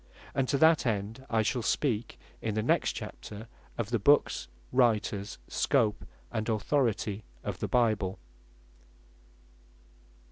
And to that end, I shall speak in the next Chapter, or the Books, Writers, Scope and Authority of the Bible.